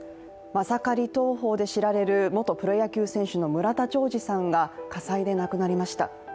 マサカリ投法で知られる元プロ野球選手の村田兆治さんが火災で亡くなりました。